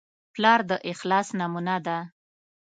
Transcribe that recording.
پلار د اخلاص نمونه ده.